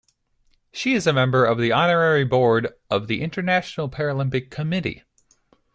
She is a member of the honorary board of the International Paralympic Committee.